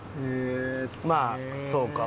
まあそうか。